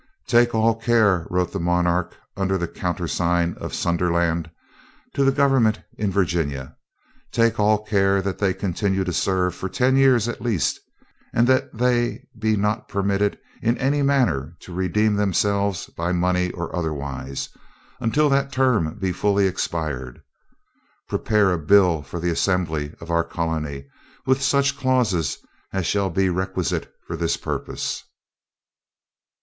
"Take all care," wrote the monarch, under the countersign of Sunderland, to the government in Virginia, "take all care that they continue to serve for ten years at least, and that they be not permitted in any manner to redeem themselves by money or otherwise, until that term be fully expired. Prepare a bill for the assembly of our colony, with such clauses as shall be requisite for this purpose."